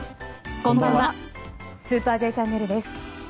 こんばんは「スーパーＪチャンネル」です。